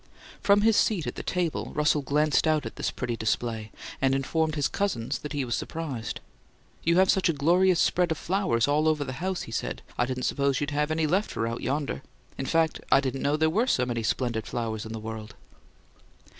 From his seat at the table, Russell glanced out at this pretty display, and informed his cousins that he was surprised. "You have such a glorious spread of flowers all over the house," he said, "I didn't suppose you'd have any left out yonder. In fact, I didn't know there were so many splendid flowers in the world."